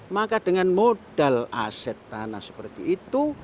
maka dengan modal aset tanah seperti itu